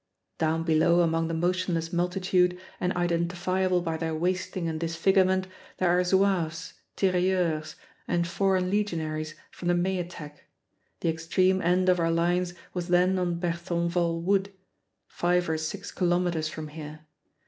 Down below among the motionless multitude, and identifiable by their wasting and disfigurement, there are zouaves, tirailleurs, and Foreign Legionaries from the May attack. The extreme end of our lines was then on Berthonval Wood, five or six kilometers from here.